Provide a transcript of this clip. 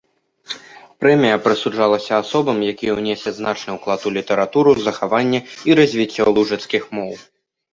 Прэмія прысуджалася асобам, якія ўнеслі значны ўклад у літаратуру, захаванне і развіццё лужыцкіх моў.